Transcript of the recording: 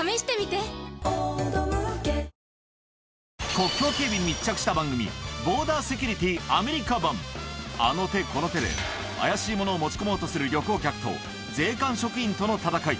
国境警備に密着した番組あの手この手で怪しいものを持ち込もうとする旅行客と税関職員との戦い